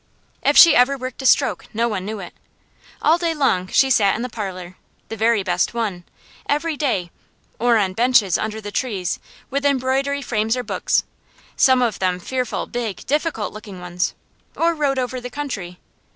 If she ever worked a stroke, no one knew it. All day long she sat in the parlour, the very best one, every day; or on benches under the trees with embroidery frames or books, some of them fearful, big, difficult looking ones, or rode over the country.